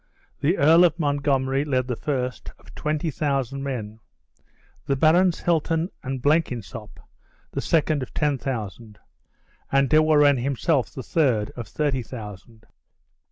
The Earl of Montgomery led the first, of twenty thousand men; the Barons Hilton and Blenkinsopp, the second, of ten thousand; and De Warenne himself the third, of thirty thousand.